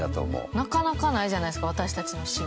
なかなかないじゃないですか私たちの仕事。